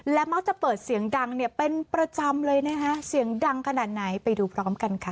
และมักจะเปิดเสียงดังเนี่ยเป็นประจำเลยนะคะเสียงดังขนาดไหนไปดูพร้อมกันค่ะ